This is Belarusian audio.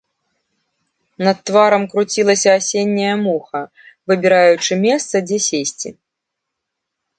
Над тварам круцілася асенняя муха, выбіраючы месца, дзе сесці.